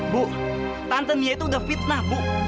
bu tante nia itu udah fitnah bu